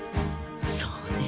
そうね。